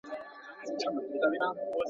د قسمت په شکایت نه مړېدله ,